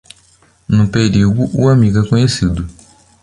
No perigo o amigo é conhecido.